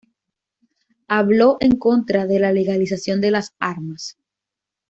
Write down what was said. Habló en contra de la legalización de las armas.